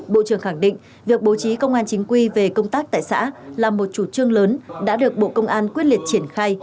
bộ trưởng khẳng định việc bố trí công an chính quy về công tác tại xã là một chủ trương lớn đã được bộ công an quyết liệt triển khai